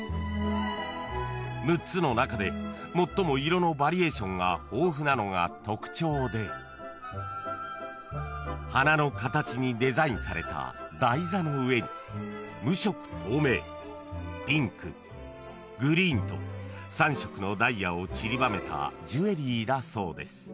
［６つの中で最も色のバリエーションが豊富なのが特徴で花の形にデザインされた台座の上に無色透明ピンクグリーンと３色のダイヤをちりばめたジュエリーだそうです］